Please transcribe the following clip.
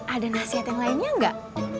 ada nasihat yang lainnya enggak